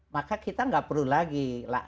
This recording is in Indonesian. maka kita nggak perlu lagi